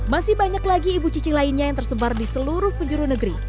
masih banyak lagi ibu cici lainnya yang tersebar di seluruh penjuru negeri